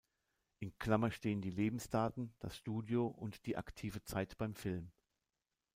In Klammer stehen die Lebensdaten, das Studio und die aktive Zeit beim Film.